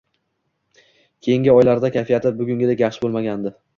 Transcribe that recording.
Keyingi oylarda kayfiyati bugungidek yaxshi bo‘lmagandi